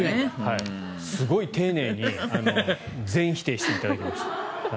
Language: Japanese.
すごい丁寧に全否定していただきました。